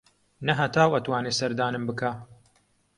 نە هەتاو ئەتوانێ سەردانم بکا